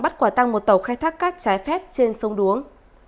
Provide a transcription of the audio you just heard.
bắt quả tăng một tàu khai thác cát trái phép trên sông đuống